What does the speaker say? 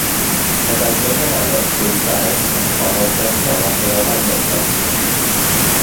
Byddai hyn yn annog gweithgaredd corfforol dyddiol a rheolaidd i'r plentyn